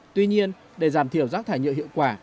tuy nhiên để giảm thiểu rác thải nhựa hiệu quả